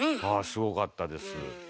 すごかったです。